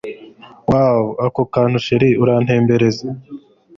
woowww ako kantu chr urantembereza